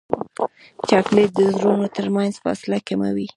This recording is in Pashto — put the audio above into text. چاکلېټ د زړونو ترمنځ فاصله کموي.